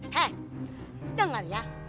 hey denger ya